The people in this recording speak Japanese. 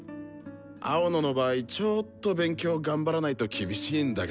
青野の場合ちょっと勉強頑張らないと厳しいんだけどさ。